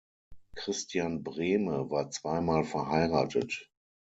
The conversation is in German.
Christian Brehme war zweimal verheiratet.